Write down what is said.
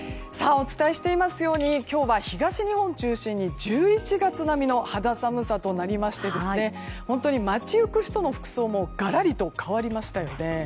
お伝えしていますように今日は東日本中心に１１月並みの肌寒さとなりまして本当に街行く人の服装もがらりと変わりましたよね。